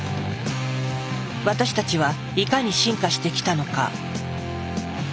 私たちはいかに進化してきたのか。